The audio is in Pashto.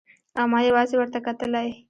او ما يوازې ورته کتلای.